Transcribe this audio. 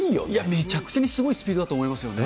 めちゃくちゃにすごいスピードだと思いますよね。